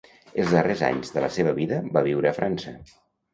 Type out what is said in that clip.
Els darrers anys de la seva vida va viure a França.